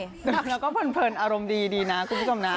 แล้วก็เพลินอารมณ์ดีนะคุณพี่สำนัก